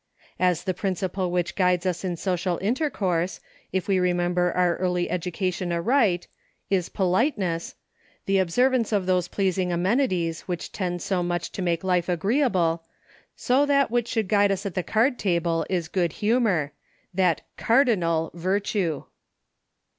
As the principle which guides us in social intercourse (if we remember our early educa tion aright) is politeness — the observance of those pleasing amenities which tend so much to make life agreeable — so that which should guide us at the card table is good humor — that card inal virtue.